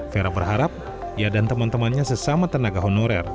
vera berharap ia dan teman temannya sesama tenaga honorer